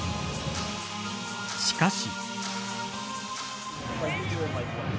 しかし。